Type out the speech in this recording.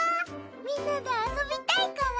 みんなで遊びたいから。